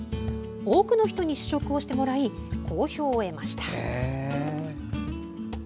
多くの人に試食をしてもらい好評を得ました。